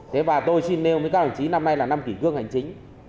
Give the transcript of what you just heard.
thế và tôi xin nêu với các đồng chí năm nay là năm kỷ cương hành chính